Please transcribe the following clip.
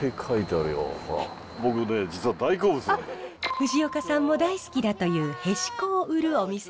藤岡さんも大好きだというへしこを売るお店です。